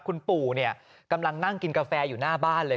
คุณปู่กำลังนั่งกินกาแฟอยู่หน้าบ้านเลย